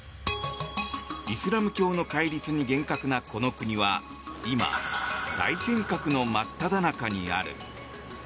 イスラム教の戒律に厳格なこの国は今、大変革の真っただ中にある。